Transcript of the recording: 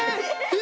え！